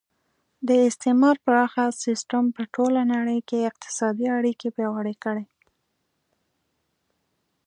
د استعمار پراخه سیسټم په ټوله نړۍ کې اقتصادي اړیکې پیاوړې کړې